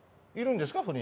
いるんですか？